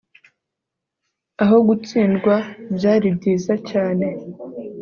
Aho gutsindwa byari byiza cyane